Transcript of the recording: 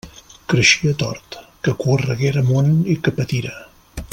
Creixia tort: que correguera món i que patira!